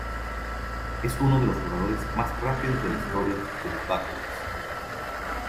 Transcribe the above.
Es uno de los jugadores más rápidos de la historia de los "Badgers".